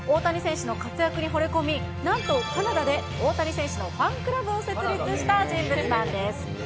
大谷選手の活躍にほれ込み、なんと、カナダで大谷選手のファンクラブを設立した人物なんです。